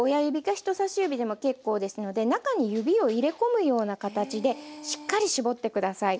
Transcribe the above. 人さし指でも結構ですので中に指を入れ込むような形でしっかり搾って下さい。